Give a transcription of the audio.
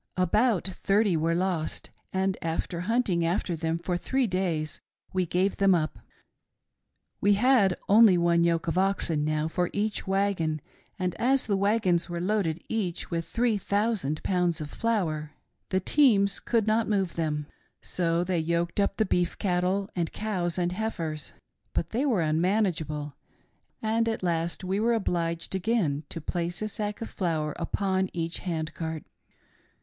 About' thirty were lost, and after hunting after them for three days, we gave them up. We had only one yoke of oxen now for each wagon, and as the wagons were loaded each with three thousand pounds of flour, the teams could not move thelti. So they yoked up the beef cattle, and cows, and heifers, but they were unmanageable— ^and at last we were obliged again to place a sack of flour upon each hand cart.